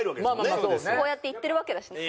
こうやっていってるわけだし。